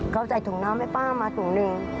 เขาใส่ถุงน้ำให้ป้ามาถุงหนึ่ง